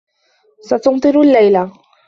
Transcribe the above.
ستمطر الليلة.